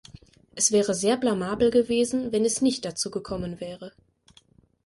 Es wäre sehr blamabel gewesen, wenn es nicht dazu gekommen wäre.